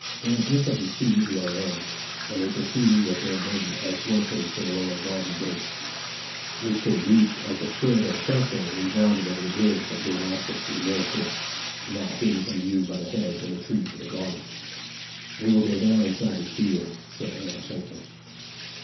Anne instantly seized the other end, and they proceeded with their burden at a slow pace to the lower garden gate, which they reached as the tread of the press gang resounded over the bridge that gave access to the mill court, now hidden from view by the hedge and the trees of the garden. 'We will go down inside this field,' said Anne faintly.